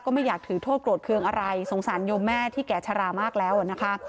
ไม่อยากถือโทษโกรธเครื่องอะไรสงสารโยมแม่ที่แก่ชะลามากแล้วนะคะ